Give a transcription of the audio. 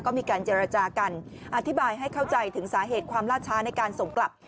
ก็มีการเจรจากันอธิบายให้เข้าใจถึงสาเหตุความล่าช้าในการส่งกลับ